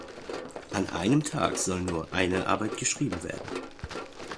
An einem Tag soll nur eine Arbeit geschrieben werden.